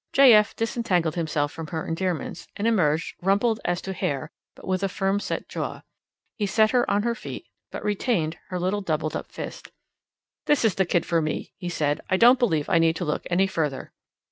J. F. disentangled himself from her endearments, and emerged, rumpled as to hair, but with a firm set jaw. He set her on her feet, but retained her little doubled up fist. "This is the kid for me," he said. "I don't believe I need to look any further."